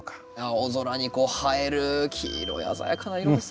青空にこう映える黄色い鮮やかな色ですね。